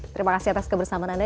terima kasih atas kebersamaan anda